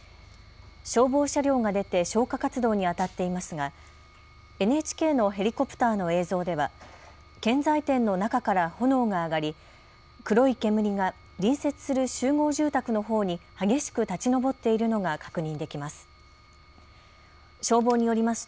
消防車両が出て消火活動にあたっていますがＮＨＫのヘリコプターの映像では建材店の中から炎が上がり黒い煙が隣接する集合住宅のほうに激しく立ち上っているのが確認できます。